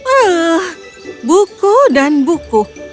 eh buku dan buku